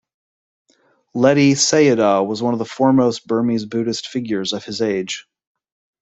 Ledi Sayadaw was one of the foremost Burmese Buddhist figures of his age.